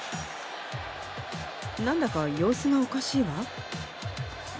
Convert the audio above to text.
何だか様子がおかしいわ。